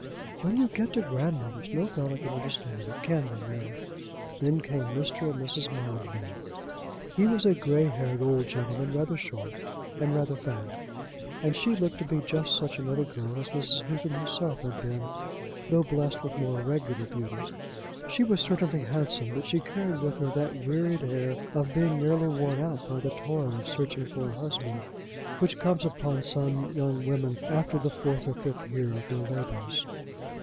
"When you get to grandmothers no fellow can understand it, can they, Mary?" Then came Mr. and Miss Mildmay. He was a gray haired old gentleman, rather short and rather fat, and she looked to be just such another girl as Mrs. Houghton herself had been, though blessed with more regular beauty. She was certainly handsome, but she carried with her that wearied air of being nearly worn out by the toil of searching for a husband which comes upon some young women after the fourth or fifth year of their labours.